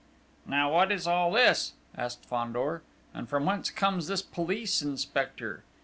"Now what is all this?" asked Fandor. "And from whence comes this police inspector?